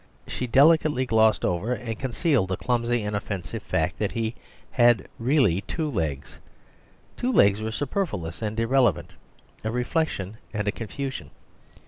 She delicately glossed over and concealed the clumsy and offensive fact that he had really two legs. Two legs were superfluous and irrelevant, a reflection, and a confusion.